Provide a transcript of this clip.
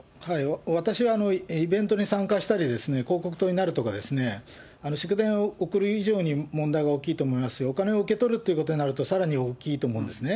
私はイベントに参加したり、広告塔になるとかですね、祝電を送る以上に問題が大きいと思いますし、お金を受け取るということになると、さらに大きいと思うんですね。